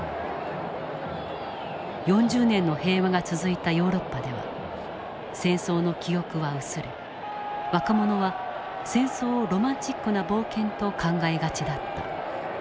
４０年の平和が続いたヨーロッパでは戦争の記憶は薄れ若者は戦争をロマンチックな冒険と考えがちだった。